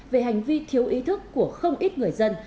về hành vi thiếu ý thức của không ít người dân